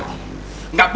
gak boleh nikah sama lu